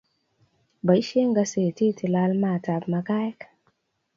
Boisien gasetit ilal maatab makaek.